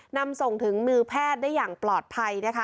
นำส่งถึงมือแพทย์ได้อย่างปลอดภัยนะคะ